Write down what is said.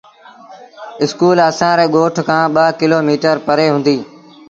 اسڪول اسآݩ ري ڳوٺ کآݩ ٻآ ڪلو ميٚٽر پري هُݩديٚ۔